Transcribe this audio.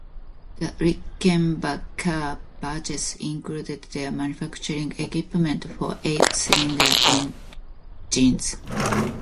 The Rickenbacker purchase included their manufacturing equipment for eight-cylinder engines.